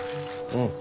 うん。